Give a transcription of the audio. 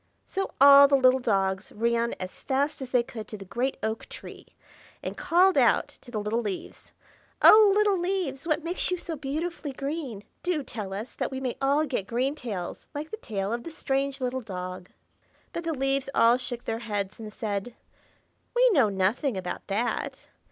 So all the little dogs ran as fast as they could to the great oak tree, and called out to the little leaves, "Oh, little leaves! what makes you so beautifully green? Do tell us, that we may all get green tails, like the tail of the strange little dog." But the leaves all shook their heads, and said, "We know nothing about that.